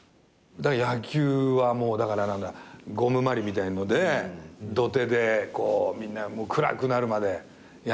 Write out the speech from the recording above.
野球はもうだからゴムまりみたいので土手でこうみんな暗くなるまでやるような。